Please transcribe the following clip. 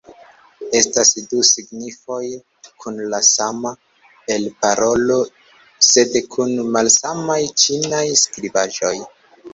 Estas du signifoj kun la sama elparolo sed kun malsamaj ĉinaj skribaĵoj.